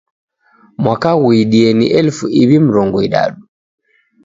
Mwaka ghuidie ni elifu iw'i mrongo idadu.